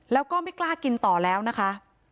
แล้วก็ไม่กล้ากินต่อแล้วนะคะ